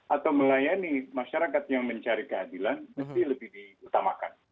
atau melayani masyarakat yang mencari keadilan mesti lebih diutamakan